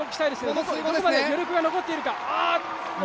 どこまで余力が残っているか。